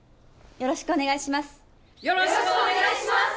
よろしくお願いします！